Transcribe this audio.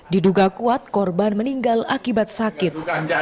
diduga kuat korban meninggal akibat sakit